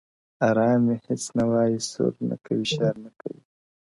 ارام وي، هیڅ نه وايي، سور نه کوي، شر نه کوي.